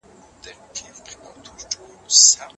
ګلالۍ په پټي کې سابه ایښي وو.